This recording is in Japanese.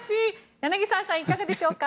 柳澤さん、いかがですか？